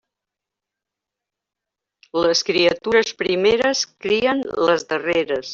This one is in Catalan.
Les criatures primeres crien les darreres.